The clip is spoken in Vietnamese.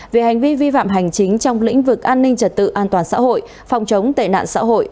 về hành vi vi phạm hành chính trong lĩnh vực an ninh trật tự an toàn xã hội phòng chống tệ nạn xã hội